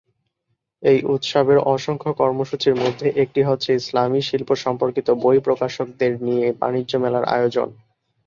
এই উৎসবের অসংখ্য কর্মসূচির মধ্যে একটি হচ্ছে ইসলামী শিল্প সম্পর্কিত বই প্রকাশকদের নিয়ে বাণিজ্য মেলার আয়োজন।